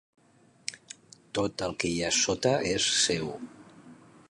Tot el que hi ha sota és seu.